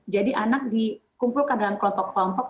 jadi anak dikumpulkan dalam kelompok kelompok